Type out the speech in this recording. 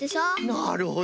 なるほど。